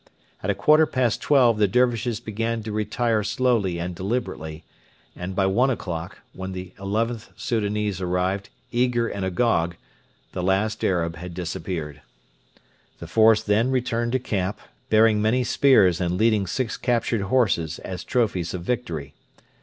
At a quarter past twelve the Dervishes began to retire slowly and deliberately, and by one o'clock, when the XIth Soudanese arrived, eager and agog, the last Arab had disappeared. The force then returned to camp, bearing many spears and leading six captured horses as trophies of victory.